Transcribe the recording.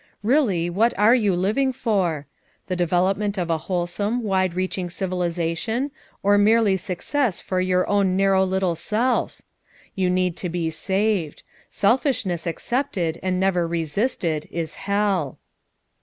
Really, what are you living for? The development of a wholesome wide reach ing civilization, or merely success for your own narrow little self? You need to be saved. Selfishness accepted and never resisted is hell."